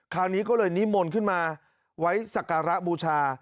คราวนี้ก็เลยนิมนต์ขึ้นมาไว้สักการะบูชา